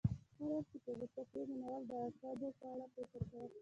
هر وخت چې په غوسه کېږې نو اول د عواقبو په اړه فکر کوه.